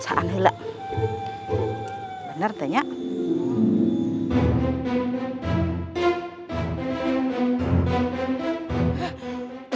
aku akan menangkan gusti ratu